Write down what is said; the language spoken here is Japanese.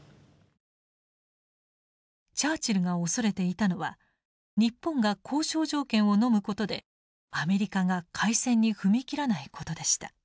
チャーチルが恐れていたのは日本が交渉条件をのむことでアメリカが開戦に踏み切らないことでした。